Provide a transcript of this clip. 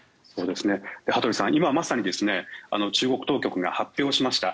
羽鳥さん、今まさに中国当局が発表しました。